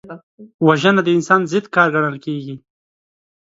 وژنه د انسان ضد کار ګڼل کېږي